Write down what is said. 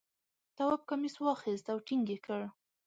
تواب کمیس واخیست او ټینګ یې کړ.